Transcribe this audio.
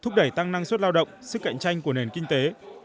cải tăng năng suất lao động sức cạnh tranh của nền kinh tế